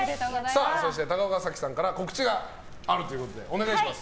そして高岡早紀さんから告知があるということでお願いします。